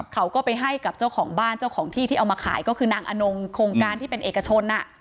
เขาก็ไปให้กับเจ้าของบ้านเจ้าของที่ที่เอามาขายก็คือนางอนงโครงการที่เป็นเอกชน